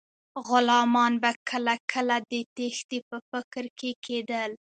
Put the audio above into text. غلامان به کله کله د تیښتې په فکر کې کیدل.